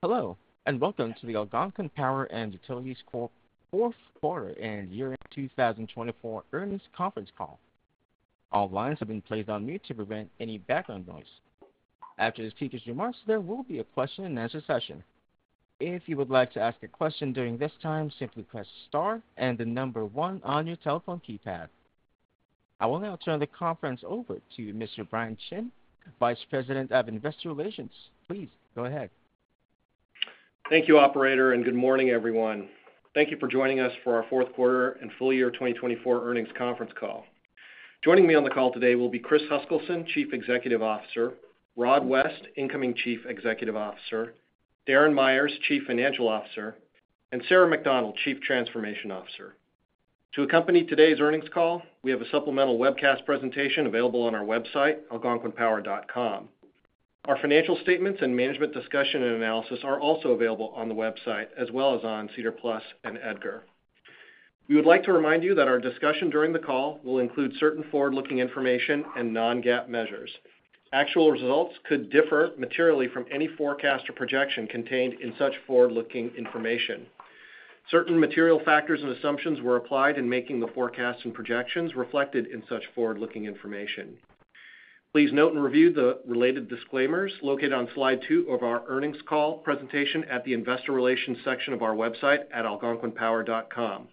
Hello, and welcome to the Algonquin Power & Utilities Corp Fourth Quarter and Year End 2024 Earnings Conference Call. All lines have been placed on mute to prevent any background noise. After this speakers' remarks, there will be a question-and-answer session. If you would like to ask a question during this time, simply press star and the number one on your telephone keypad. I will now turn the conference over to Mr. Brian Chin, Vice President of Investor Relations. Please go ahead. Thank you, Operator, and good morning, everyone. Thank you for joining us for our fourth quarter and full year 2024 earnings conference call. Joining me on the call today will be Chris Huskilson, Chief Executive Officer; Rod West, Incoming Chief Executive Officer; Darren Myers, Chief Financial Officer; and Sarah MacDonald, Chief Transformation Officer. To accompany today's earnings call, we have a supplemental webcast presentation available on our website, algonquinpower.com. Our financial statements and management discussion and analysis are also available on the website, as well as on SEDAR+ and EDGAR. We would like to remind you that our discussion during the call will include certain forward-looking information and non-GAAP measures. Actual results could differ materially from any forecast or projection contained in such forward-looking information. Certain material factors and assumptions were applied in making the forecasts and projections reflected in such forward-looking information. Please note and review the related disclaimers located on slide 2 of our earnings call presentation at the Investor Relations section of our website at algonquinpower.com.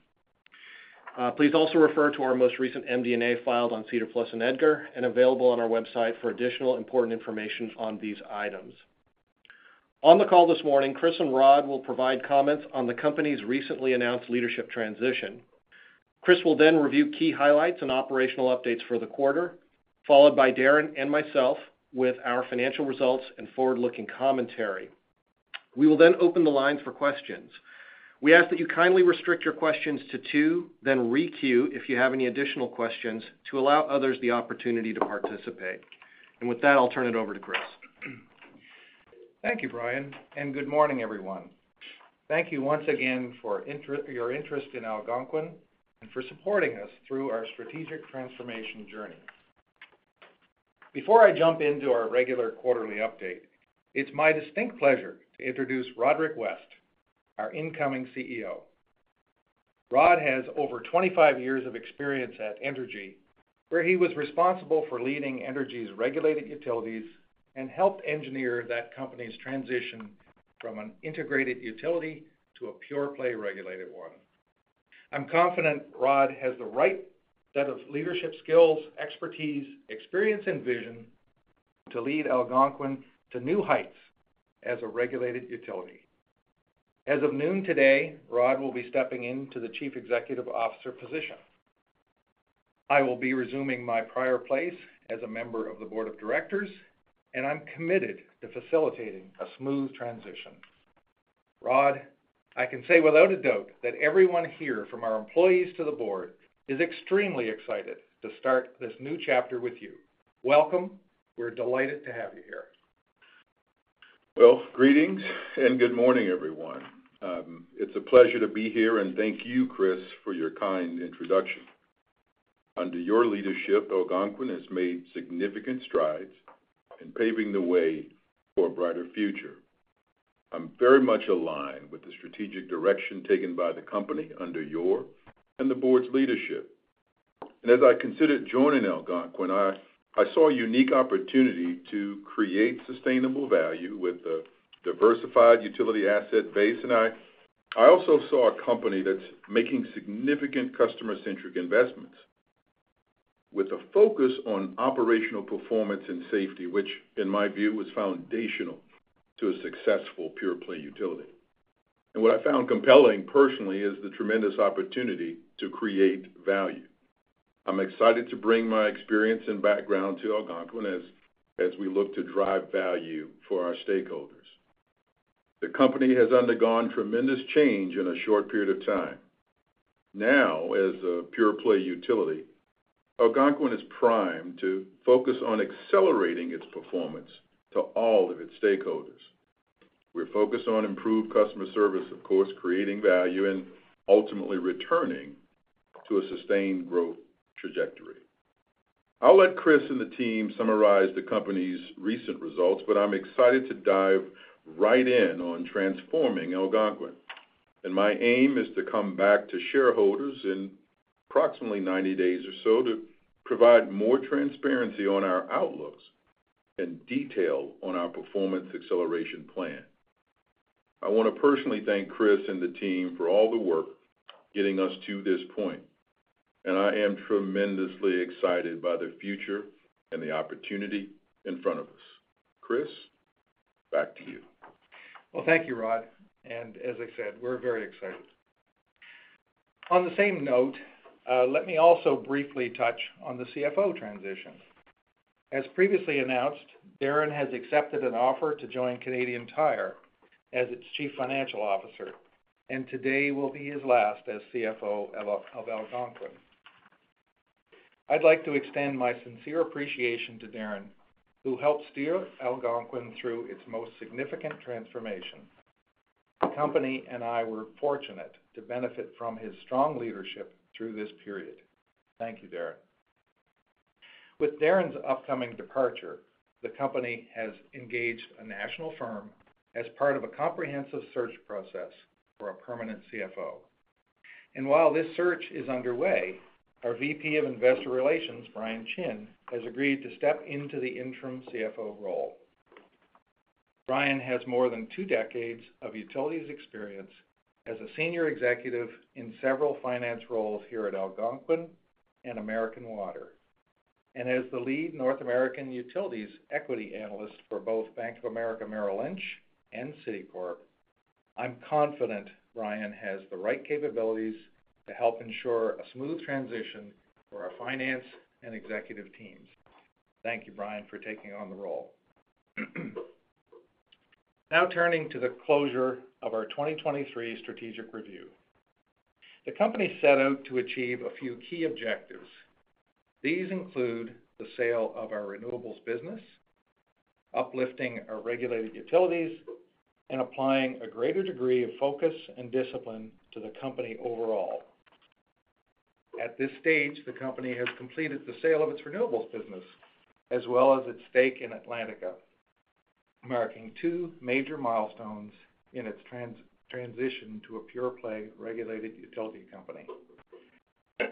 Please also refer to our most recent MD&A filed on SEDAR+ and EDGAR and available on our website for additional important information on these items. On the call this morning, Chris and Rod will provide comments on the company's recently announced leadership transition. Chris will then review key highlights and operational updates for the quarter, followed by Darren and myself with our financial results and forward-looking commentary. We will then open the lines for questions. We ask that you kindly restrict your questions to two, then re-queue if you have any additional questions to allow others the opportunity to participate. With that, I'll turn it over to Chris. Thank you, Brian, and good morning, everyone. Thank you once again for your interest in Algonquin and for supporting us through our strategic transformation journey. Before I jump into our regular quarterly update, it's my distinct pleasure to introduce Roderick West, our incoming CEO. Rod has over 25 years of experience at Entergy, where he was responsible for leading Entergy's regulated utilities and helped engineer that company's transition from an integrated utility to a pure-play regulated one. I'm confident Rod has the right set of leadership skills, expertise, experience, and vision to lead Algonquin to new heights as a regulated utility. As of noon today, Rod will be stepping into the Chief Executive Officer position. I will be resuming my prior place as a member of the Board of Directors, and I'm committed to facilitating a smooth transition. Rod, I can say without a doubt that everyone here, from our employees to the board, is extremely excited to start this new chapter with you. Welcome. We're delighted to have you here. Greetings and good morning, everyone. It's a pleasure to be here, and thank you, Chris, for your kind introduction. Under your leadership, Algonquin has made significant strides in paving the way for a brighter future. I'm very much aligned with the strategic direction taken by the company under your and the board's leadership. As I considered joining Algonquin, I saw a unique opportunity to create sustainable value with a diversified utility asset base. I also saw a company that's making significant customer-centric investments with a focus on operational performance and safety, which, in my view, is foundational to a successful pure-play utility. What I found compelling personally is the tremendous opportunity to create value. I'm excited to bring my experience and background to Algonquin as we look to drive value for our stakeholders. The company has undergone tremendous change in a short period of time. Now, as a pure-play utility, Algonquin is primed to focus on accelerating its performance to all of its stakeholders. We're focused on improved customer service, of course, creating value, and ultimately returning to a sustained growth trajectory. I'll let Chris and the team summarize the company's recent results. I'm excited to dive right in on transforming Algonquin. My aim is to come back to shareholders in approximately 90 days or so to provide more transparency on our outlooks and detail on our performance acceleration plan. I want to personally thank Chris and the team for all the work getting us to this point. I am tremendously excited by the future and the opportunity in front of us. Chris, back to you. Thank you, Rod. As I said, we're very excited. On the same note, let me also briefly touch on the CFO transition. As previously announced, Darren has accepted an offer to join Canadian Tire as its Chief Financial Officer, and today will be his last as CFO of Algonquin. I'd like to extend my sincere appreciation to Darren, who helped steer Algonquin through its most significant transformation. The company and I were fortunate to benefit from his strong leadership through this period. Thank you, Darren. With Darren's upcoming departure, the company has engaged a national firm as part of a comprehensive search process for a permanent CFO. While this search is underway, our VP of Investor Relations, Brian Chin, has agreed to step into the interim CFO role. Brian has more than two decades of utilities experience as a senior executive in several finance roles here at Algonquin and American Water. As the lead North American Utilities Equity Analyst for both Bank of America Merrill Lynch and Citigroup, I'm confident Brian has the right capabilities to help ensure a smooth transition for our finance and executive teams. Thank you, Brian, for taking on the role. Now turning to the closure of our 2023 strategic review, the company set out to achieve a few key objectives. These include the sale of our renewables business, uplifting our regulated utilities, and applying a greater degree of focus and discipline to the company overall. At this stage, the company has completed the sale of its renewables business, as well as its stake in Atlantica, marking two major milestones in its transition to a pure-play regulated utility company.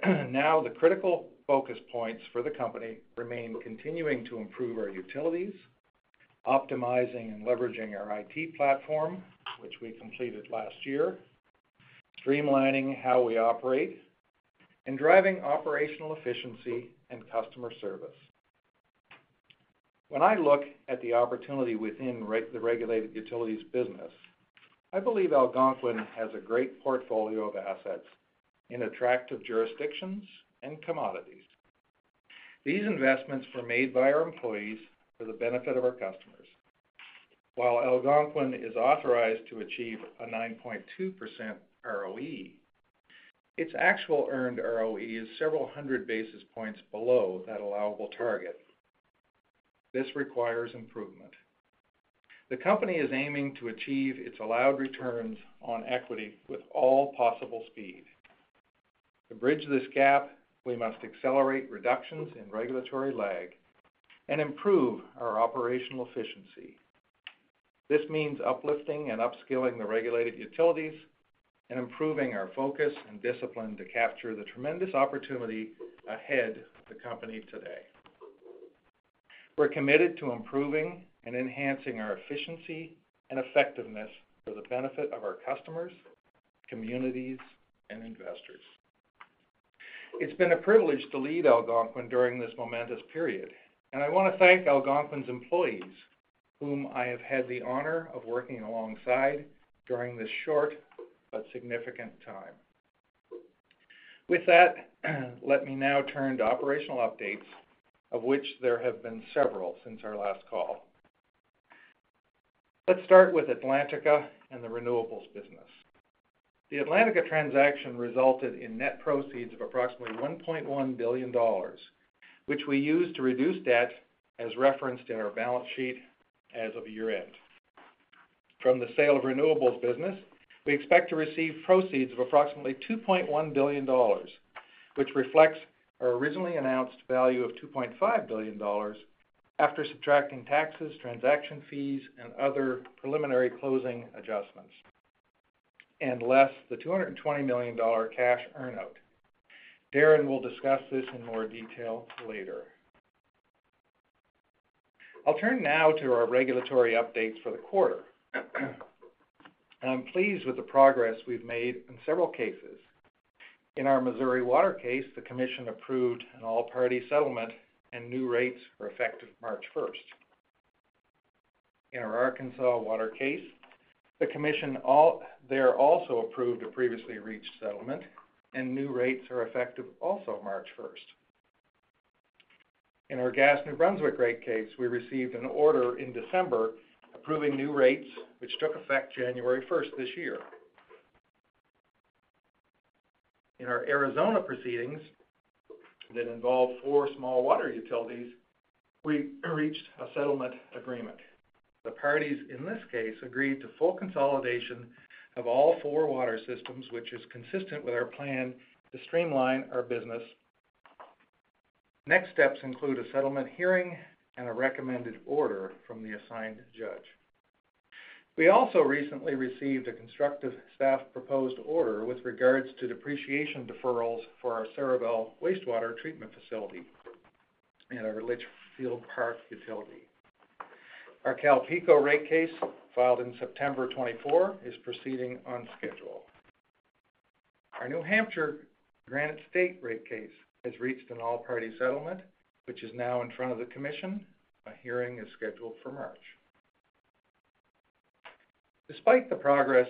Now, the critical focus points for the company remain continuing to improve our utilities, optimizing and leveraging our IT platform, which we completed last year, streamlining how we operate, and driving operational efficiency and customer service. When I look at the opportunity within the regulated utilities business, I believe Algonquin has a great portfolio of assets in attractive jurisdictions and commodities. These investments were made by our employees for the benefit of our customers. While Algonquin is authorized to achieve a 9.2% ROE, its actual earned ROE is several hundred basis points below that allowable target. This requires improvement. The company is aiming to achieve its allowed returns on equity with all possible speed. To bridge this gap, we must accelerate reductions in regulatory lag and improve our operational efficiency. This means uplifting and upskilling the regulated utilities and improving our focus and discipline to capture the tremendous opportunity ahead of the company today. We're committed to improving and enhancing our efficiency and effectiveness for the benefit of our customers, communities, and investors. It's been a privilege to lead Algonquin during this momentous period, and I want to thank Algonquin's employees, whom I have had the honor of working alongside during this short but significant time. With that, let me now turn to operational updates, of which there have been several since our last call. Let's start with Atlantica and the renewables business. The Atlantica transaction resulted in net proceeds of approximately $1.1 billion, which we used to reduce debt, as referenced in our balance sheet as of year end. From the sale of renewables business, we expect to receive proceeds of approximately $2.1 billion, which reflects our originally announced value of $2.5 billion after subtracting taxes, transaction fees, and other preliminary closing adjustments, and less the $220 million cash earn-out. Darren will discuss this in more detail later. I'll turn now to our regulatory updates for the quarter. I'm pleased with the progress we've made in several cases. In our Missouri water case, the commission approved an all-party settlement, and new rates are effective March 1st. In our Arkansas water case, the commission there also approved a previously reached settlement, and new rates are effective also March 1st. In our Gas New Brunswick rate case, we received an order in December approving new rates, which took effect January 1st this year. In our Arizona proceedings that involved four small water utilities, we reached a settlement agreement. The parties in this case agreed to full consolidation of all four water systems, which is consistent with our plan to streamline our business. Next steps include a settlement hearing and a recommended order from the assigned judge. We also recently received a constructive staff proposed order with regards to depreciation deferrals for our Sarival wastewater treatment facility and our Litchfield Park utility. Our Calpeco rate case, filed in September 2024, is proceeding on schedule. Our New Hampshire Granite State rate case has reached an all-party settlement, which is now in front of the commission. A hearing is scheduled for March. Despite the progress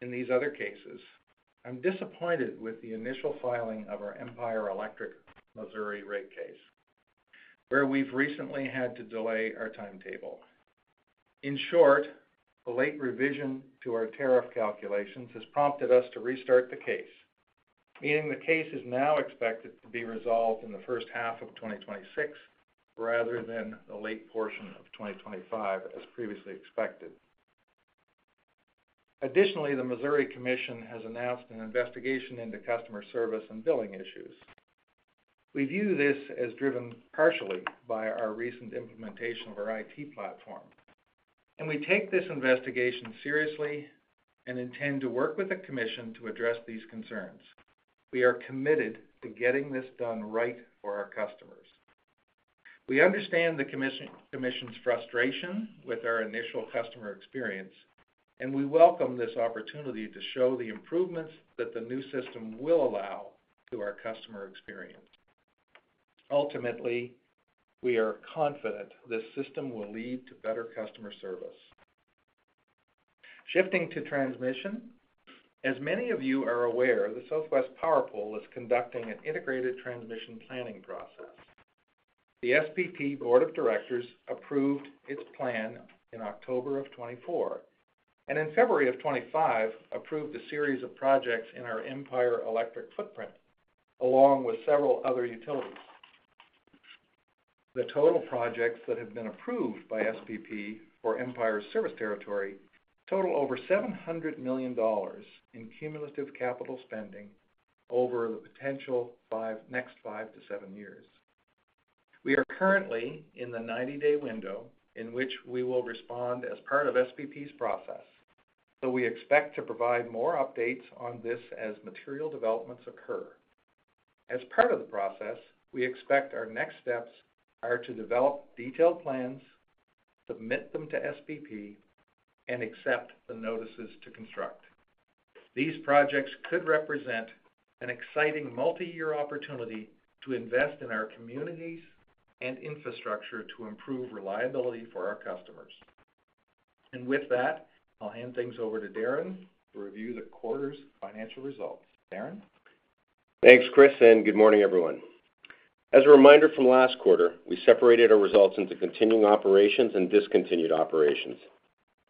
in these other cases, I'm disappointed with the initial filing of our Empire Electric Missouri rate case, where we've recently had to delay our timetable. In short, a late revision to our tariff calculations has prompted us to restart the case, meaning the case is now expected to be resolved in the first half of 2026 rather than the late portion of 2025, as previously expected. Additionally, the Missouri commission has announced an investigation into customer service and billing issues. We view this as driven partially by our recent implementation of our IT platform. We take this investigation seriously and intend to work with the commission to address these concerns. We are committed to getting this done right for our customers. We understand the commission's frustration with our initial customer experience, and we welcome this opportunity to show the improvements that the new system will allow to our customer experience. Ultimately, we are confident this system will lead to better customer service. Shifting to transmission, as many of you are aware, the Southwest Power Pool is conducting an integrated transmission planning process. The SPP Board of Directors approved its plan in October of 2024, and in February of 2025, approved a series of projects in our Empire Electric footprint, along with several other utilities. The total projects that have been approved by SPP for Empire's service territory total over $700 million in cumulative capital spending over the potential next five to seven years. We are currently in the 90-day window in which we will respond as part of SPP's process, so we expect to provide more updates on this as material developments occur. As part of the process, we expect our next steps are to develop detailed plans, submit them to SPP, and accept the notices to construct. These projects could represent an exciting multi-year opportunity to invest in our communities and infrastructure to improve reliability for our customers. With that, I'll hand things over to Darren to review the quarter's financial results. Darren. Thanks, Chris, and good morning, everyone. As a reminder from last quarter, we separated our results into continuing operations and discontinued operations.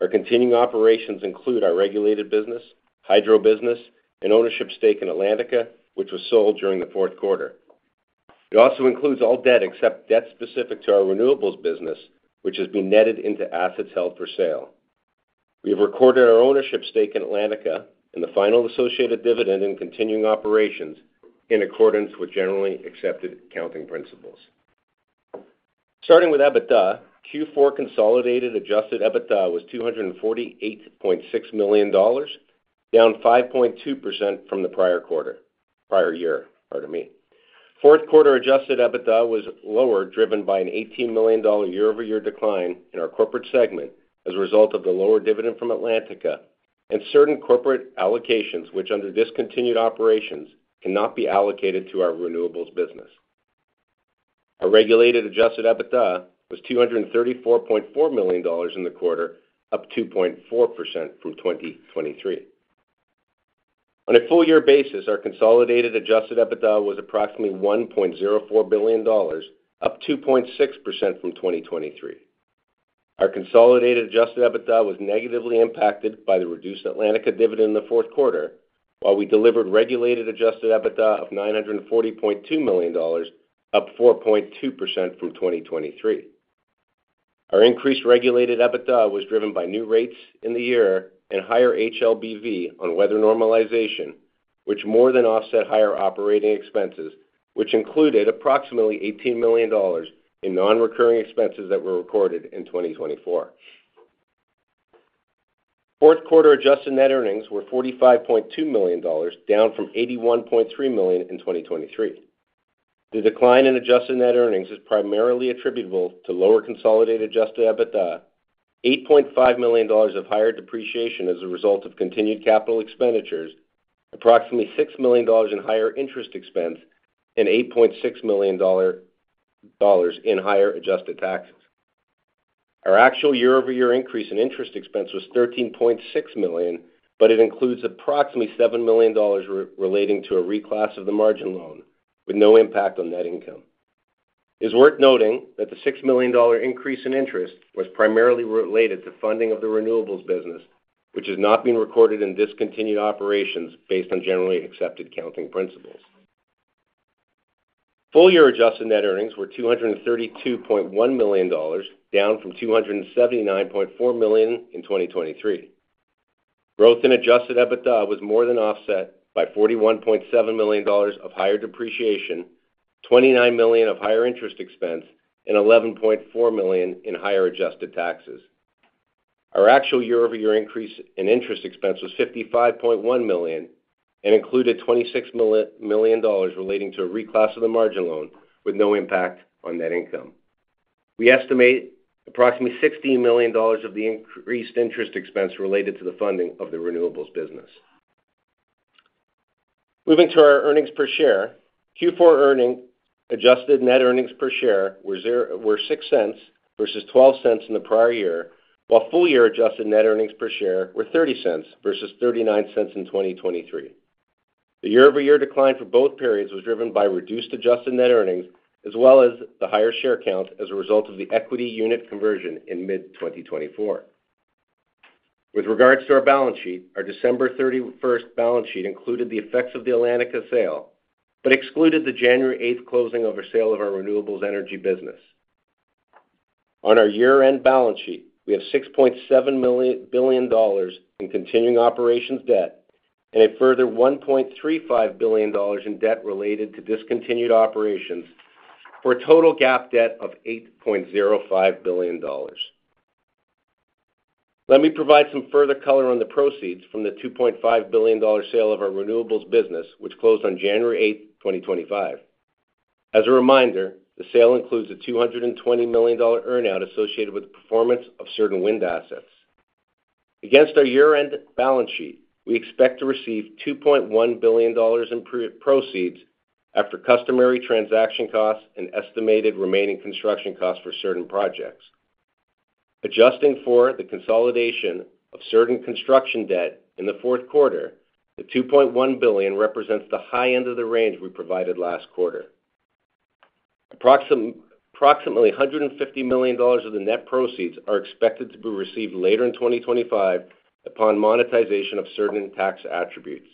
Our continuing operations include our regulated business, hydro business, and ownership stake in Atlantica, which was sold during the fourth quarter. It also includes all debt except debt specific to our renewables business, which has been netted into assets held for sale. We have recorded our ownership stake in Atlantica and the final associated dividend in continuing operations in accordance with generally accepted accounting principles. Starting with EBITDA, Q4 consolidated adjusted EBITDA was $248.6 million, down 5.2% from the prior year. Fourth quarter adjusted EBITDA was lower, driven by an $18 million year-over-year decline in our corporate segment as a result of the lower dividend from Atlantica and certain corporate allocations, which under discontinued operations cannot be allocated to our renewables business. Our regulated adjusted EBITDA was $234.4 million in the quarter, up 2.4% from 2023. On a full-year basis, our consolidated adjusted EBITDA was approximately $1.04 billion, up 2.6% from 2023. Our consolidated adjusted EBITDA was negatively impacted by the reduced Atlantica dividend in the fourth quarter, while we delivered regulated adjusted EBITDA of $940.2 million, up 4.2% from 2023. Our increased regulated EBITDA was driven by new rates in the year and higher HLBV on weather normalization, which more than offset higher operating expenses, which included approximately $18 million in non-recurring expenses that were recorded in 2024. Fourth quarter adjusted net earnings were $45.2 million, down from $81.3 million in 2023. The decline in adjusted net earnings is primarily attributable to lower consolidated adjusted EBITDA, $8.5 million of higher depreciation as a result of continued capital expenditures, approximately $6 million in higher interest expense, and $8.6 million in higher adjusted taxes. Our actual year-over-year increase in interest expense was $13.6 million, but it includes approximately $7 million relating to a reclass of the margin loan, with no impact on net income. It's worth noting that the $6 million increase in interest was primarily related to funding of the renewables business, which has not been recorded in discontinued operations based on generally accepted accounting principles. Full-year adjusted net earnings were $232.1 million, down from $279.4 million in 2023. Growth in adjusted EBITDA was more than offset by $41.7 million of higher depreciation, $29 million of higher interest expense, and $11.4 million in higher adjusted taxes. Our actual year-over-year increase in interest expense was $55.1 million and included $26 million relating to a reclass of the margin loan, with no impact on net income. We estimate approximately $16 million of the increased interest expense related to the funding of the renewables business. Moving to our earnings per share, Q4 earnings adjusted net earnings per share were $0.06 versus $0.12 in the prior year, while full-year adjusted net earnings per share were $0.30 versus $0.39 in 2023. The year-over-year decline for both periods was driven by reduced adjusted net earnings, as well as the higher share count as a result of the equity unit conversion in mid-2024. With regards to our balance sheet, our December 31 balance sheet included the effects of the Atlantica sale, but excluded the January 8 closing of our sale of our renewables energy business. On our year-end balance sheet, we have $6.7 billion in continuing operations debt and a further $1.35 billion in debt related to discontinued operations for a total GAAP debt of $8.05 billion. Let me provide some further color on the proceeds from the $2.5 billion sale of our renewables business, which closed on January 8th, 2025. As a reminder, the sale includes a $220 million earn-out associated with the performance of certain wind assets. Against our year-end balance sheet, we expect to receive $2.1 billion in proceeds after customary transaction costs and estimated remaining construction costs for certain projects. Adjusting for the consolidation of certain construction debt in the fourth quarter, the $2.1 billion represents the high end of the range we provided last quarter. Approximately $150 million of the net proceeds are expected to be received later in 2025 upon monetization of certain tax attributes.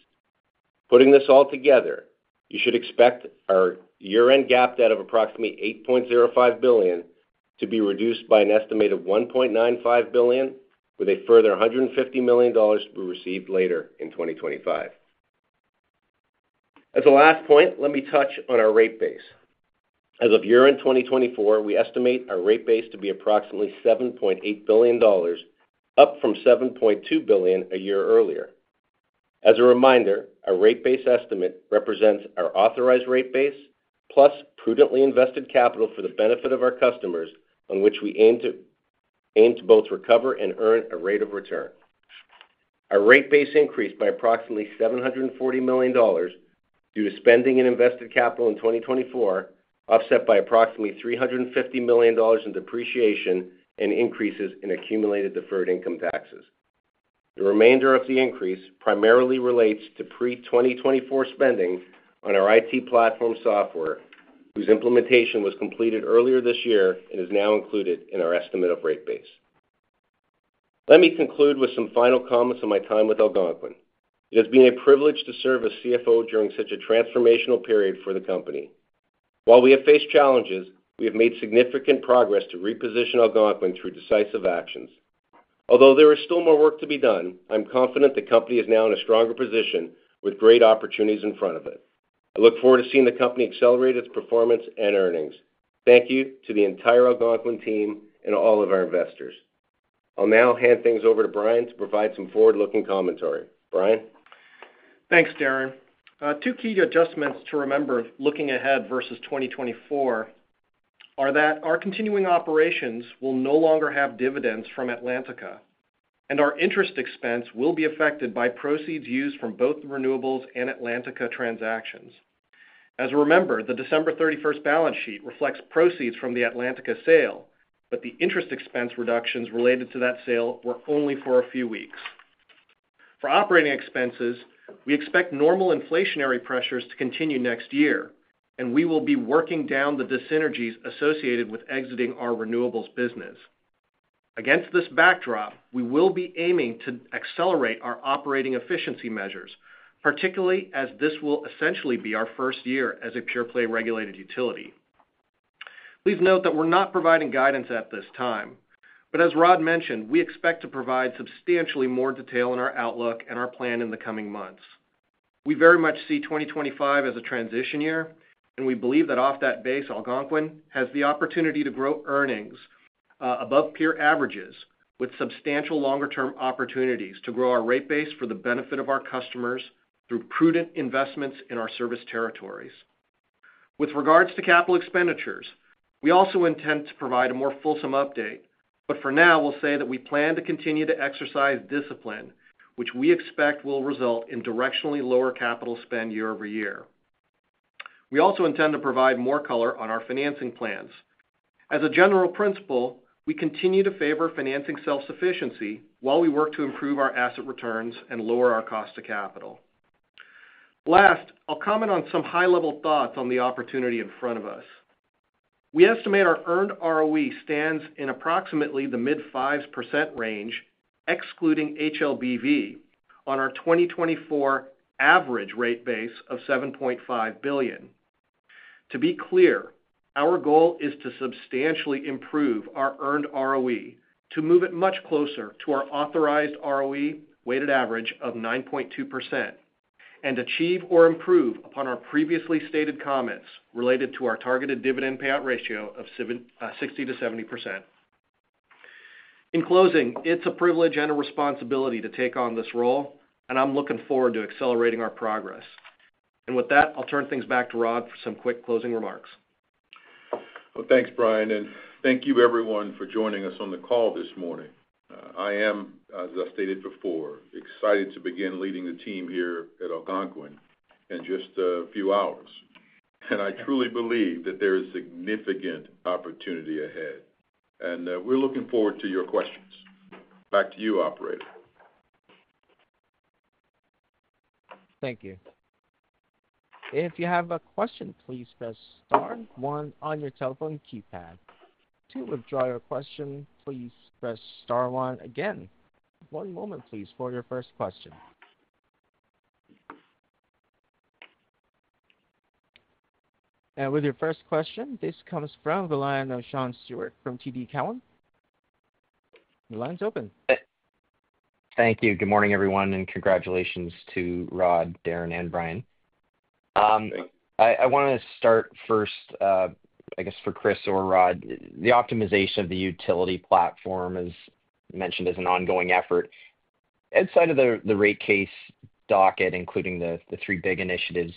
Putting this all together, you should expect our year-end GAAP debt of approximately $8.05 billion to be reduced by an estimated $1.95 billion, with a further $150 million to be received later in 2025. As a last point, let me touch on our rate base. As of year-end 2024, we estimate our rate base to be approximately $7.8 billion, up from $7.2 billion a year earlier. As a reminder, our rate base estimate represents our authorized rate base plus prudently invested capital for the benefit of our customers, on which we aim to both recover and earn a rate of return. Our rate base increased by approximately $740 million due to spending and invested capital in 2024, offset by approximately $350 million in depreciation and increases in accumulated deferred income taxes. The remainder of the increase primarily relates to pre-2024 spending on our IT platform software, whose implementation was completed earlier this year and is now included in our estimate of rate base. Let me conclude with some final comments on my time with Algonquin. It has been a privilege to serve as CFO during such a transformational period for the company. While we have faced challenges, we have made significant progress to reposition Algonquin through decisive actions. Although there is still more work to be done, I'm confident the company is now in a stronger position with great opportunities in front of it. I look forward to seeing the company accelerate its performance and earnings. Thank you to the entire Algonquin team and all of our investors. I'll now hand things over to Brian to provide some forward-looking commentary. Brian? Thanks, Darren. Two key adjustments to remember looking ahead versus 2024 are that our continuing operations will no longer have dividends from Atlantica, and our interest expense will be affected by proceeds used from both the renewables and Atlantica transactions. As a reminder, the December 31 balance sheet reflects proceeds from the Atlantica sale, but the interest expense reductions related to that sale were only for a few weeks. For operating expenses, we expect normal inflationary pressures to continue next year, and we will be working down the dissynergies associated with exiting our renewables business. Against this backdrop, we will be aiming to accelerate our operating efficiency measures, particularly as this will essentially be our first year as a pure-play regulated utility. Please note that we're not providing guidance at this time, but as Rod mentioned, we expect to provide substantially more detail in our outlook and our plan in the coming months. We very much see 2025 as a transition year, and we believe that off that base, Algonquin has the opportunity to grow earnings above peer averages with substantial longer-term opportunities to grow our rate base for the benefit of our customers through prudent investments in our service territories. With regards to capital expenditures, we also intend to provide a more fulsome update, but for now, we'll say that we plan to continue to exercise discipline, which we expect will result in directionally lower capital spend year over year. We also intend to provide more color on our financing plans. As a general principle, we continue to favor financing self-sufficiency while we work to improve our asset returns and lower our cost of capital. Last, I'll comment on some high-level thoughts on the opportunity in front of us. We estimate our earned ROE stands in approximately the mid 5% range, excluding HLBV, on our 2024 average rate base of $7.5 billion. To be clear, our goal is to substantially improve our earned ROE to move it much closer to our authorized ROE weighted average of 9.2% and achieve or improve upon our previously stated comments related to our targeted dividend payout ratio of 60%-70%. In closing, it's a privilege and a responsibility to take on this role, and I'm looking forward to accelerating our progress. With that, I'll turn things back to Rod for some quick closing remarks. Thank you, Brian, and thank you, everyone, for joining us on the call this morning. I am, as I stated before, excited to begin leading the team here at Algonquin in just a few hours. I truly believe that there is significant opportunity ahead. We are looking forward to your questions. Back to you, Operator. Thank you. If you have a question, please press Star, 1, on your telephone keypad. To withdraw your question, please press Star, 1 again. One moment, please, for your first question. Your first question comes from the line of Sean Steuart from TD Cowen. Your line is open. Thank you. Good morning, everyone, and congratulations to Rod, Darren, and Brian. Thanks. I want to start first, I guess, for Chris or Rod, the optimization of the utility platform is mentioned as an ongoing effort. Outside of the rate case docket, including the three big initiatives,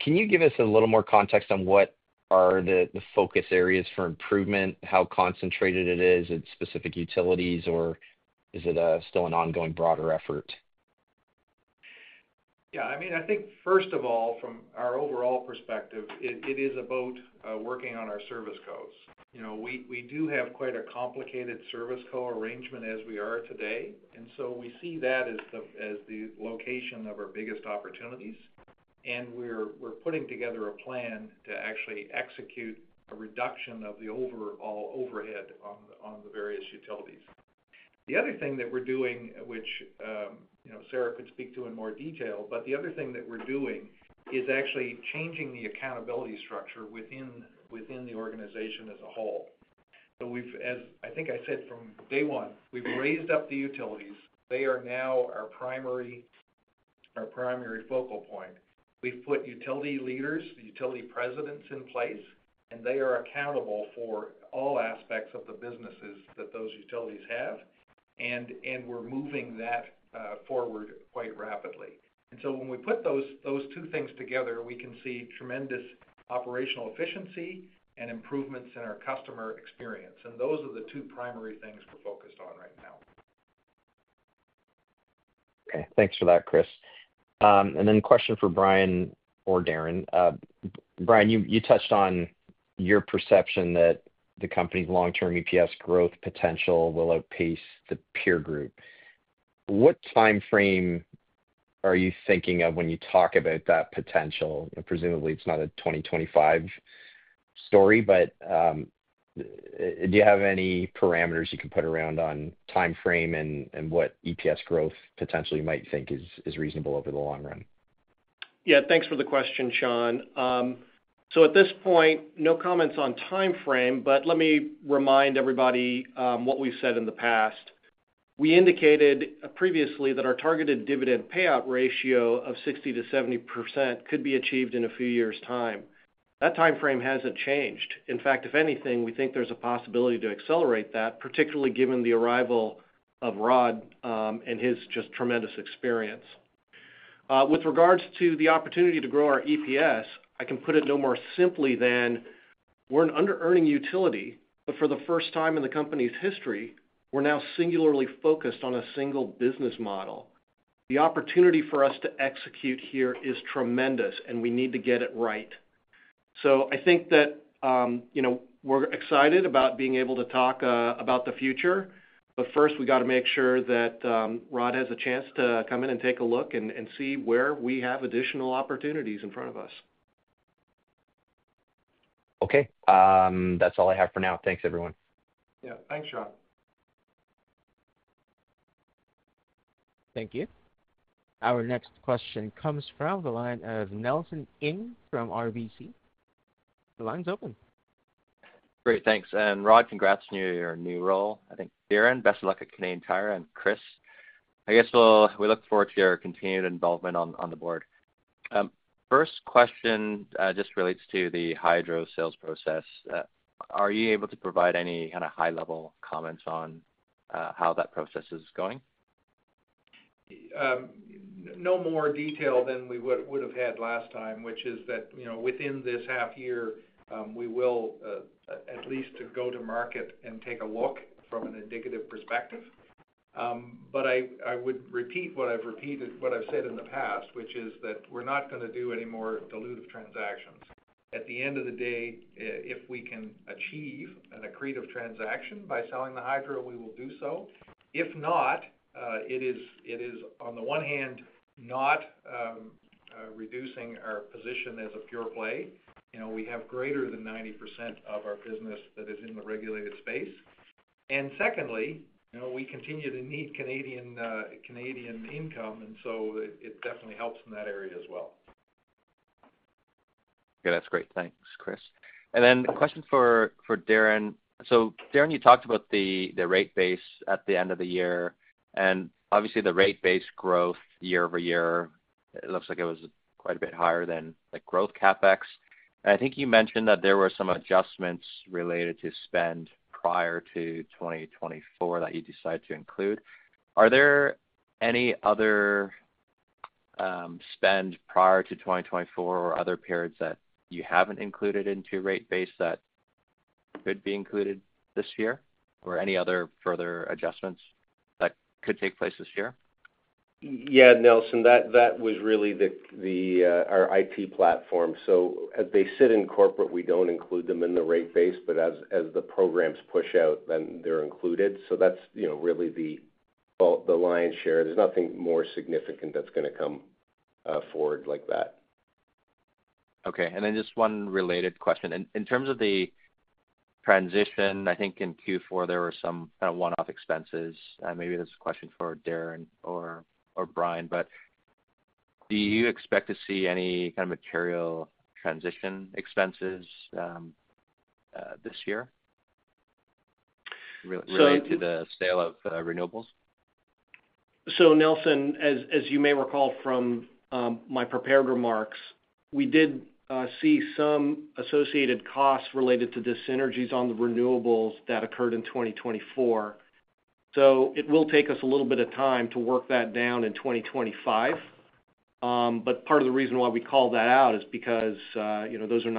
can you give us a little more context on what are the focus areas for improvement, how concentrated it is in specific utilities, or is it still an ongoing broader effort? Yeah. I mean, I think, first of all, from our overall perspective, it is about working on our service codes. We do have quite a complicated service code arrangement as we are today. I mean, we see that as the location of our biggest opportunities, and we're putting together a plan to actually execute a reduction of the overall overhead on the various utilities. The other thing that we're doing, which Sarah could speak to in more detail, the other thing that we're doing is actually changing the accountability structure within the organization as a whole. I think I said from day one, we've raised up the utilities. They are now our primary focal point. We've put utility leaders, utility presidents in place, and they are accountable for all aspects of the businesses that those utilities have, and we're moving that forward quite rapidly. When we put those two things together, we can see tremendous operational efficiency and improvements in our customer experience. Those are the two primary things we're focused on right now. Okay. Thanks for that, Chris. A question for Brian or Darren. Brian, you touched on your perception that the company's long-term EPS growth potential will outpace the peer group. What timeframe are you thinking of when you talk about that potential? Presumably, it's not a 2025 story, but do you have any parameters you can put around on timeframe and what EPS growth potential you might think is reasonable over the long run? Yeah. Thanks for the question, Sean. At this point, no comments on timeframe, but let me remind everybody what we've said in the past. We indicated previously that our targeted dividend payout ratio of 60%-70% could be achieved in a few years' time. That timeframe hasn't changed. In fact, if anything, we think there's a possibility to accelerate that, particularly given the arrival of Rod and his just tremendous experience. With regards to the opportunity to grow our EPS, I can put it no more simply than we're an under-earning utility, but for the first time in the company's history, we're now singularly focused on a single business model. The opportunity for us to execute here is tremendous, and we need to get it right. I think that we're excited about being able to talk about the future, but first, we got to make sure that Rod has a chance to come in and take a look and see where we have additional opportunities in front of us. Okay. That's all I have for now. Thanks, everyone. Yeah. Thanks, Sean. Thank you. Our next question comes from the line of Nelson Ng from RBC. The line's open. Great. Thanks. Rod, congrats on your new role, I think. Darren, best of luck at Canadian Tire. Chris, I guess we look forward to your continued involvement on the board. First question just relates to the hydro sales process. Are you able to provide any kind of high-level comments on how that process is going? No more detail than we would have had last time, which is that within this half year, we will at least go to market and take a look from an indicative perspective. I would repeat what I've said in the past, which is that we're not going to do any more dilutive transactions. At the end of the day, if we can achieve an accretive transaction by selling the hydro, we will do so. If not, it is, on the one hand, not reducing our position as a pure play. We have greater than 90% of our business that is in the regulated space. Secondly, we continue to need Canadian income, and so it definitely helps in that area as well. Okay. That's great. Thanks, Chris. Question for Darren. Darren, you talked about the rate base at the end of the year, and obviously, the rate base growth year over year, it looks like it was quite a bit higher than the growth CapEx. I think you mentioned that there were some adjustments related to spend prior to 2024 that you decided to include. Are there any other spend prior to 2024 or other periods that you haven't included into your rate base that could be included this year or any other further adjustments that could take place this year? Yeah. Nelson, that was really our IT platform. As they sit in corporate, we do not include them in the rate base, but as the programs push out, then they are included. That is really the lion's share. There is nothing more significant that is going to come forward like that. Okay. Just one related question. In terms of the transition, I think in Q4, there were some kind of one-off expenses. Maybe that is a question for Darren or Brian, but do you expect to see any kind of material transition expenses this year related to the sale of renewables? Nelson, as you may recall from my prepared remarks, we did see some associated costs related to dissynergies on the renewables that occurred in 2024. It will take us a little bit of time to work that down in 2025. Part of the reason why we call that out is because those are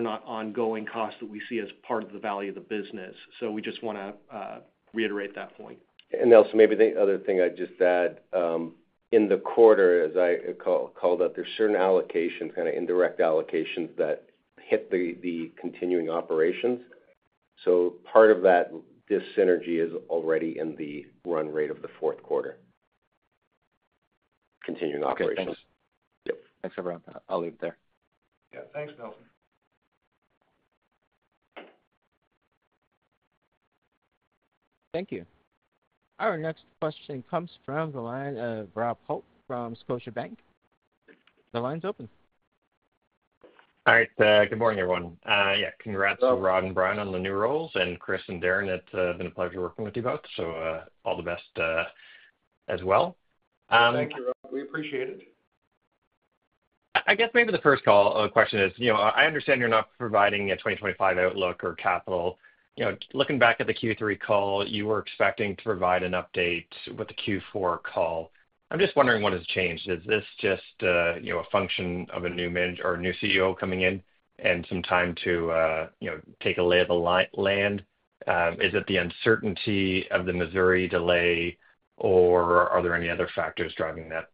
not ongoing costs that we see as part of the value of the business. We just want to reiterate that point. Nelson, maybe the other thing I'd just add, in the quarter, as I called out, there's certain allocations, kind of indirect allocations that hit the continuing operations. Part of that dyssynergy is already in the run rate of the fourth quarter continuing operations. Okay. Thanks. Thanks, everyone. I'll leave it there. Yeah. Thanks, Nelson. Thank you. Our next question comes from the line of Rob Hope from Scotiabank. The line's open. All right. Good morning, everyone. Yeah. Congrats to Rod and Brian on the new roles, and Chris and Darren, it's been a pleasure working with you both. All the best as well. Thank you, Rob. We appreciate it. I guess maybe the first call question is, I understand you're not providing a 2025 outlook or capital. Looking back at the Q3 call, you were expecting to provide an update with the Q4 call. I'm just wondering what has changed. Is this just a function of a new manager or a new CEO coming in and some time to take a lay of the land? Is it the uncertainty of the Missouri delay, or are there any other factors driving that?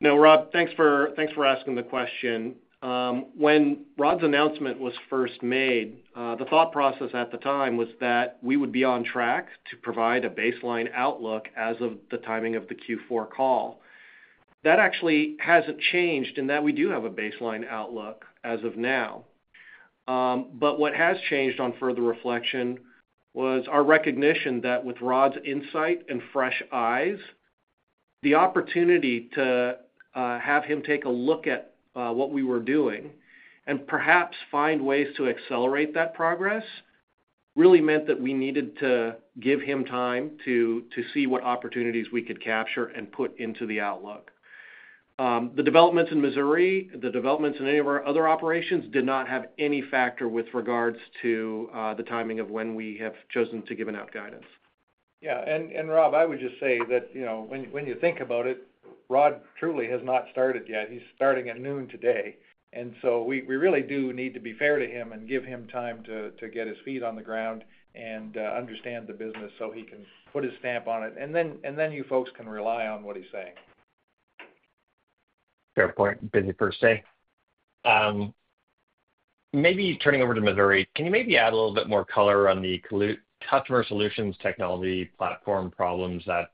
No, Rob, thanks for asking the question. When Rod's announcement was first made, the thought process at the time was that we would be on track to provide a baseline outlook as of the timing of the Q4 call. That actually hasn't changed in that we do have a baseline outlook as of now. What has changed on further reflection was our recognition that with Rod's insight and fresh eyes, the opportunity to have him take a look at what we were doing and perhaps find ways to accelerate that progress really meant that we needed to give him time to see what opportunities we could capture and put into the outlook. The developments in Missouri, the developments in any of our other operations did not have any factor with regards to the timing of when we have chosen to give an out guidance. Yeah. Rob, I would just say that when you think about it, Rod truly has not started yet. He's starting at noon today. We really do need to be fair to him and give him time to get his feet on the ground and understand the business so he can put his stamp on it. You folks can rely on what he's saying. Fair point. Busy first day. Maybe turning over to Missouri, can you maybe add a little bit more color on the customer solutions technology platform problems that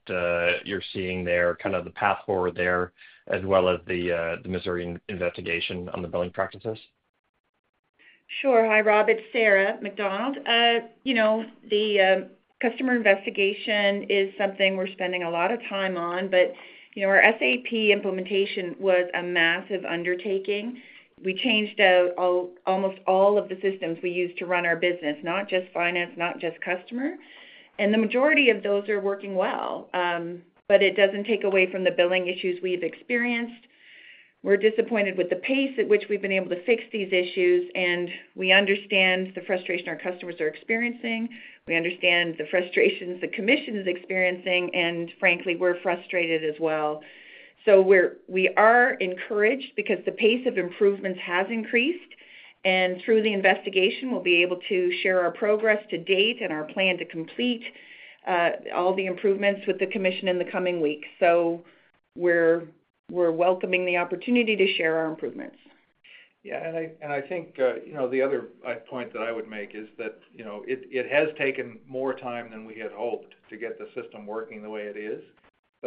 you're seeing there, kind of the path forward there, as well as the Missouri investigation on the billing practices? Sure. Hi, Rob. It's Sarah MacDonald. The customer investigation is something we're spending a lot of time on, but our SAP implementation was a massive undertaking. We changed out almost all of the systems we use to run our business, not just finance, not just customer. The majority of those are working well, but it doesn't take away from the billing issues we've experienced. We're disappointed with the pace at which we've been able to fix these issues, and we understand the frustration our customers are experiencing. We understand the frustrations the commission is experiencing, and frankly, we're frustrated as well. We are encouraged because the pace of improvements has increased, and through the investigation, we'll be able to share our progress to date and our plan to complete all the improvements with the commission in the coming weeks. We are welcoming the opportunity to share our improvements. Yeah. I think the other point that I would make is that it has taken more time than we had hoped to get the system working the way it is.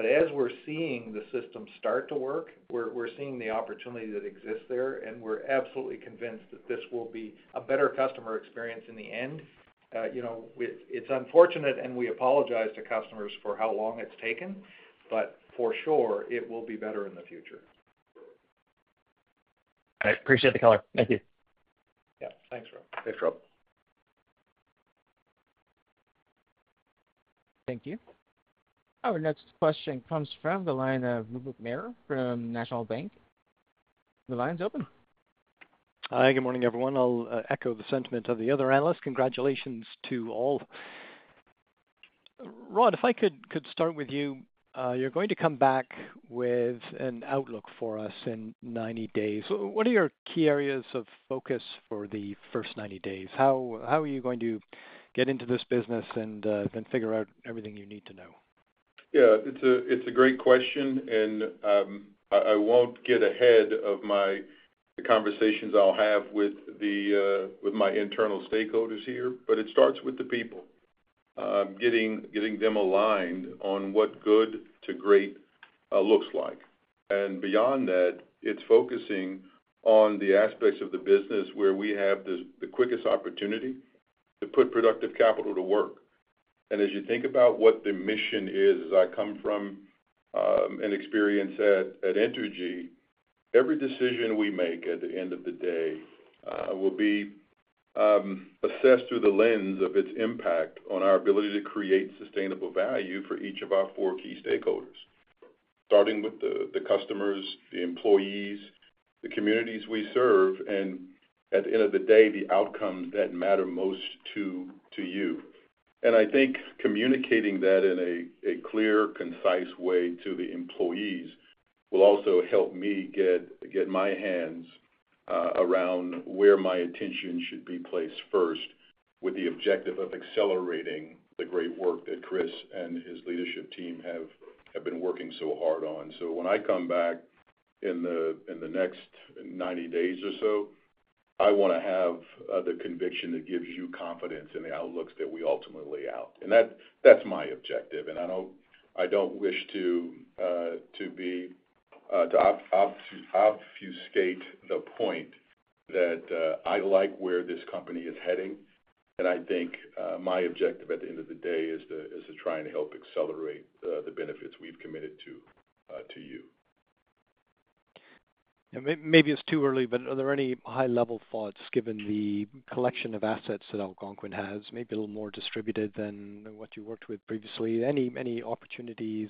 As we're seeing the system start to work, we're seeing the opportunity that exists there, and we're absolutely convinced that this will be a better customer experience in the end. It's unfortunate, and we apologize to customers for how long it's taken, but for sure, it will be better in the future. I appreciate the color. Thank you. Yeah. Thanks, Rob. Thanks, Rob. Thank you. Our next question comes from the line of Rupert Merer from National Bank. The line's open. Hi. Good morning, everyone. I'll echo the sentiment of the other analysts. Congratulations to all. Rod, if I could start with you, you're going to come back with an outlook for us in 90 days. What are your key areas of focus for the first 90 days? How are you going to get into this business and then figure out everything you need to know? Yeah. It's a great question, and I won't get ahead of the conversations I'll have with my internal stakeholders here, but it starts with the people, getting them aligned on what good to great looks like. Beyond that, it's focusing on the aspects of the business where we have the quickest opportunity to put productive capital to work. As you think about what the mission is, as I come from an experience at Entergy, every decision we make at the end of the day will be assessed through the lens of its impact on our ability to create sustainable value for each of our four key stakeholders, starting with the customers, the employees, the communities we serve, and at the end of the day, the outcomes that matter most to you. I think communicating that in a clear, concise way to the employees will also help me get my hands around where my attention should be placed first with the objective of accelerating the great work that Chris and his leadership team have been working so hard on. When I come back in the next 90 days or so, I want to have the conviction that gives you confidence in the outlooks that we ultimately lay out. That is my objective. I do not wish to obfuscate the point that I like where this company is heading. I think my objective at the end of the day is to try and help accelerate the benefits we have committed to you. Maybe it's too early, but are there any high-level thoughts given the collection of assets that Algonquin has, maybe a little more distributed than what you worked with previously? Any opportunities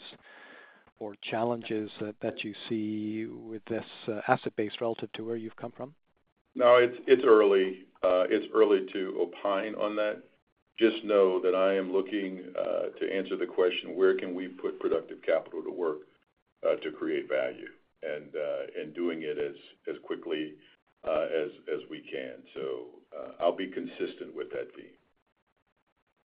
or challenges that you see with this asset base relative to where you've come from? No, it's early to opine on that. Just know that I am looking to answer the question, where can we put productive capital to work to create value and doing it as quickly as we can. I will be consistent with that view.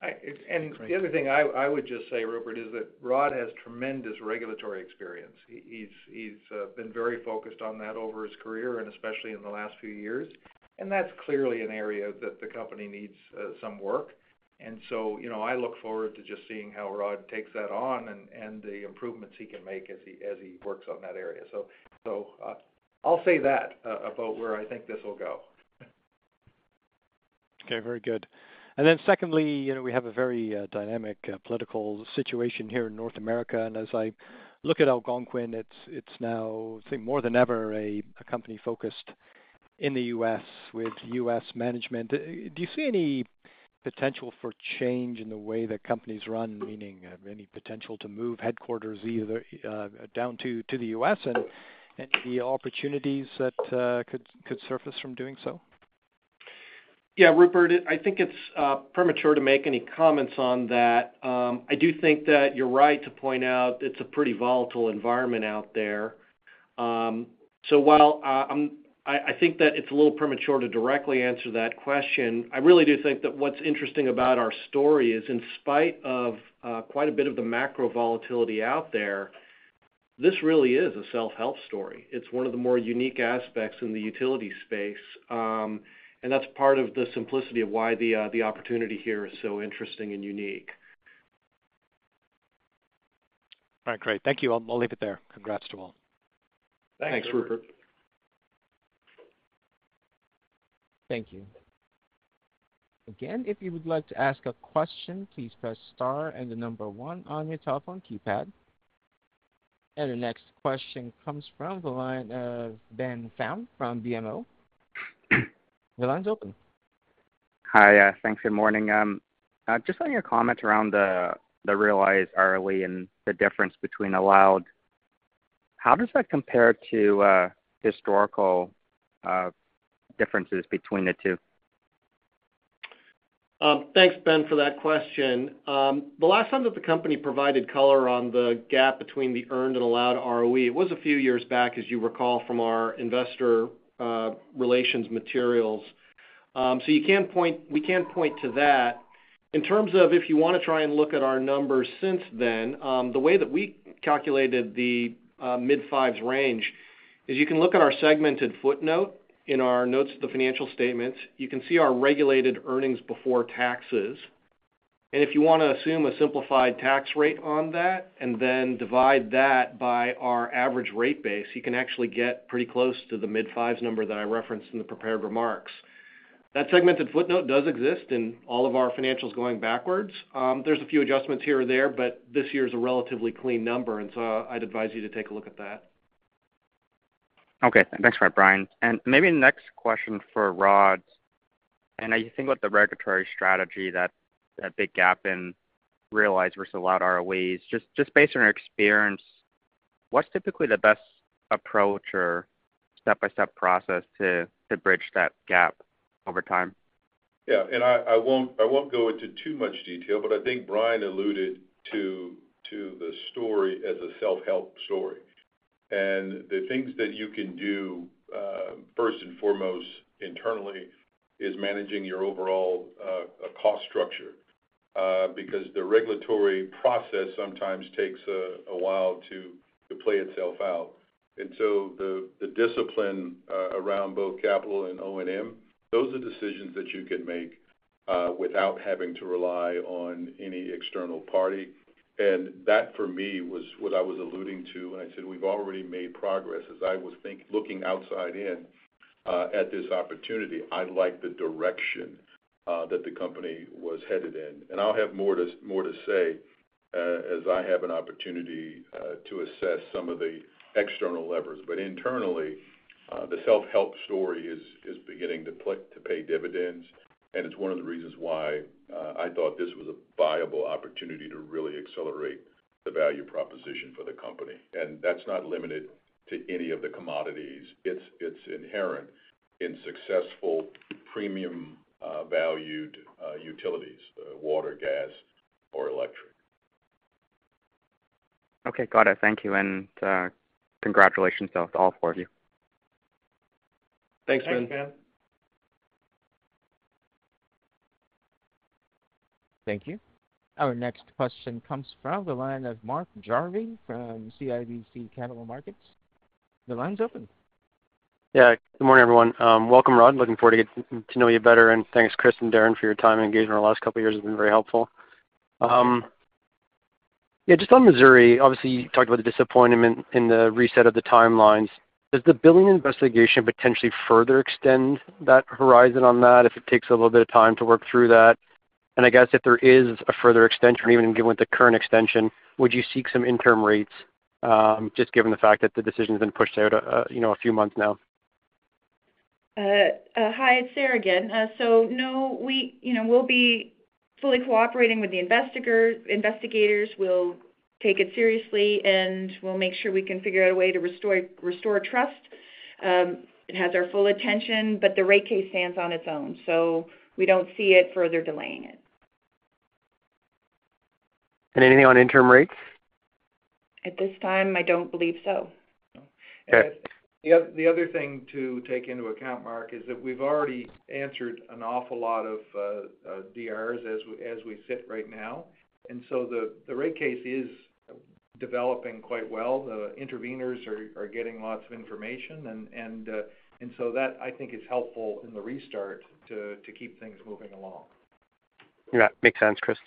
The other thing I would just say, Rupert, is that Rod has tremendous regulatory experience. He's been very focused on that over his career, especially in the last few years. That is clearly an area that the company needs some work. I look forward to just seeing how Rod takes that on and the improvements he can make as he works on that area. I'll say that about where I think this will go. Okay. Very good. Secondly, we have a very dynamic political situation here in North America. As I look at Algonquin, it's now, I think, more than ever, a company focused in the U.S. with U.S. management. Do you see any potential for change in the way that companies run, meaning any potential to move headquarters either down to the U.S. and the opportunities that could surface from doing so? Yeah, Rupert, I think it's premature to make any comments on that. I do think that you're right to point out it's a pretty volatile environment out there. While I think that it's a little premature to directly answer that question, I really do think that what's interesting about our story is in spite of quite a bit of the macro volatility out there, this really is a self-help story. It's one of the more unique aspects in the utility space. That's part of the simplicity of why the opportunity here is so interesting and unique. All right. Great. Thank you. I'll leave it there. Congrats to all. Thanks, Rupert. Thank you. Again, if you would like to ask a question, please press star and the number one on your telephone keypad. The next question comes from the line of Ben Pham from BMO. The line's open. Hi. Thanks. Good morning. Just on your comment around the realize early and the difference between allowed, how does that compare to historical differences between the two? Thanks, Ben, for that question. The last time that the company provided color on the gap between the earned and allowed ROE, it was a few years back, as you recall from our investor relations materials. We can point to that. In terms of if you want to try and look at our numbers since then, the way that we calculated the mid-fives range is you can look at our segmented footnote in our notes to the financial statements. You can see our regulated earnings before taxes. If you want to assume a simplified tax rate on that and then divide that by our average rate base, you can actually get pretty close to the mid-fives number that I referenced in the prepared remarks. That segmented footnote does exist in all of our financials going backwards. There's a few adjustments here or there, but this year is a relatively clean number. I'd advise you to take a look at that. Okay. Thanks for that, Brian. Maybe the next question for Rod. I think with the regulatory strategy, that big gap in realized versus allowed ROEs, just based on your experience, what's typically the best approach or step-by-step process to bridge that gap over time? Yeah. I will not go into too much detail, but I think Brian alluded to the story as a self-help story. The things that you can do first and foremost internally are managing your overall cost structure because the regulatory process sometimes takes a while to play itself out. The discipline around both capital and O&M, those are decisions that you can make without having to rely on any external party. That, for me, was what I was alluding to when I said we have already made progress. As I was looking outside in at this opportunity, I liked the direction that the company was headed in. I will have more to say as I have an opportunity to assess some of the external levers. Internally, the self-help story is beginning to pay dividends, and it's one of the reasons why I thought this was a viable opportunity to really accelerate the value proposition for the company. It's not limited to any of the commodities. It's inherent in successful premium-valued utilities, water, gas, or electric. Okay. Got it. Thank you. Congratulations to all four of you. Thanks, Ben. Thanks, Ben. Thank you. Our next question comes from the line of Mark Jarvi from CIBC Capital Markets. The line's open. Yeah. Good morning, everyone. Welcome, Rod. Looking forward to getting to know you better. Thanks, Chris and Darren, for your time and engagement. The last couple of years have been very helpful. Yeah. Just on Missouri, obviously, you talked about the disappointment in the reset of the timelines. Does the billing investigation potentially further extend that horizon on that if it takes a little bit of time to work through that? I guess if there is a further extension, even given with the current extension, would you seek some interim rates just given the fact that the decision has been pushed out a few months now? Hi. It's Sarah again. No, we'll be fully cooperating with the investigators. We'll take it seriously, and we'll make sure we can figure out a way to restore trust. It has our full attention, but the rate case stands on its own. We don't see it further delaying it. Anything on interim rates? At this time, I don't believe so. Okay. The other thing to take into account, Mark, is that we've already answered an awful lot of DRs as we sit right now. The rate case is developing quite well. The interveners are getting lots of information. I think that is helpful in the restart to keep things moving along. Yeah. Makes sense, Chris.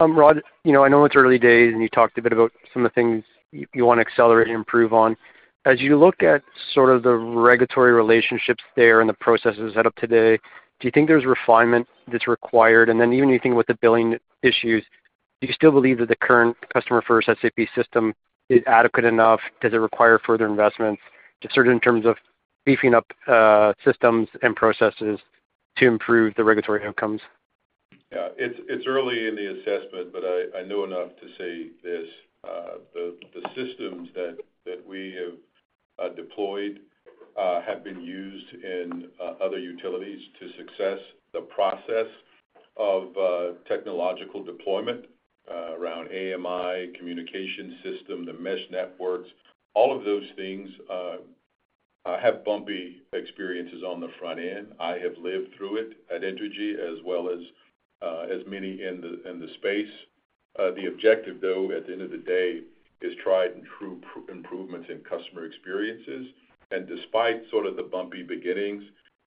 Rod, I know it's early days, and you talked a bit about some of the things you want to accelerate and improve on. As you look at sort of the regulatory relationships there and the processes set up today, do you think there's refinement that's required? Do you think with the billing issues, do you still believe that the current customer-first SAP system is adequate enough? Does it require further investments, just sort of in terms of beefing up systems and processes to improve the regulatory outcomes? Yeah. It's early in the assessment, but I know enough to say this. The systems that we have deployed have been used in other utilities to success. The process of technological deployment around AMI, communication system, the mesh networks, all of those things have bumpy experiences on the front end. I have lived through it at Entergy as well as many in the space. The objective, though, at the end of the day, is tried-and-true improvements in customer experiences. Despite sort of the bumpy beginnings,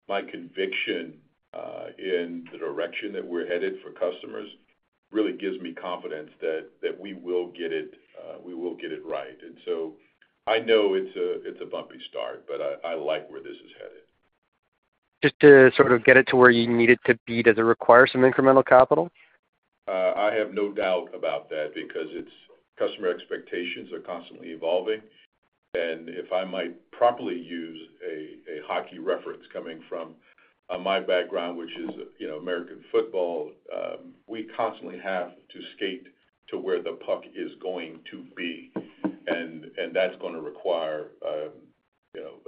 my conviction in the direction that we're headed for customers really gives me confidence that we will get it right. I know it's a bumpy start, but I like where this is headed. Just to sort of get it to where you need it to be, does it require some incremental capital? I have no doubt about that because customer expectations are constantly evolving. If I might properly use a hockey reference coming from my background, which is American football, we constantly have to skate to where the puck is going to be. That is going to require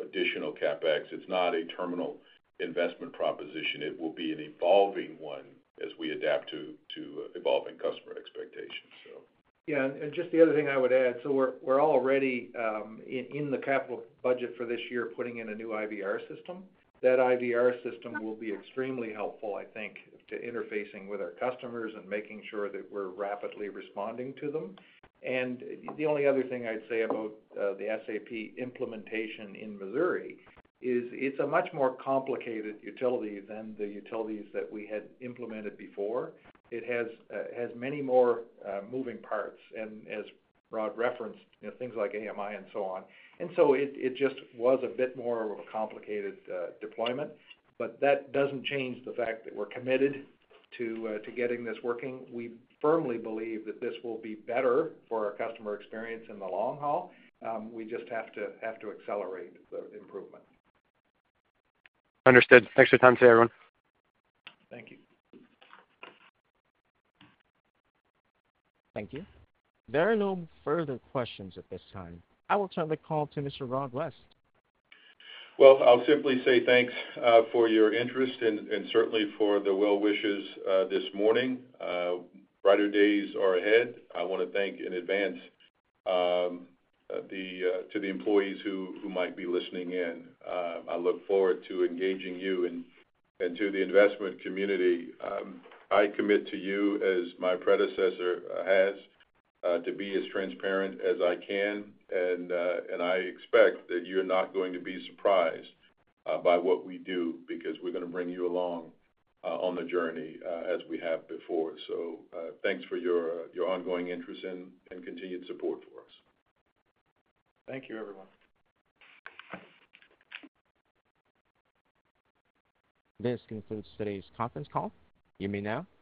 additional CapEx. It is not a terminal investment proposition. It will be an evolving one as we adapt to evolving customer expectations. Yeah. The other thing I would add, we're already in the capital budget for this year putting in a new IVR system. That IVR system will be extremely helpful, I think, to interfacing with our customers and making sure that we're rapidly responding to them. The only other thing I'd say about the SAP implementation in Missouri is it's a much more complicated utility than the utilities that we had implemented before. It has many more moving parts and, as Rod referenced, things like AMI and so on. It just was a bit more of a complicated deployment. That doesn't change the fact that we're committed to getting this working. We firmly believe that this will be better for our customer experience in the long haul. We just have to accelerate the improvement. Understood. Thanks for your time today, everyone. Thank you. Thank you. There are no further questions at this time. I will turn the call to Mr. Rod West. Thank you for your interest and certainly for the well wishes this morning. Brighter days are ahead. I want to thank in advance the employees who might be listening in. I look forward to engaging you and to the investment community. I commit to you, as my predecessor has, to be as transparent as I can. I expect that you are not going to be surprised by what we do because we are going to bring you along on the journey as we have before. Thank you for your ongoing interest and continued support for us. Thank you, everyone. This concludes today's conference call. You may now disconnect.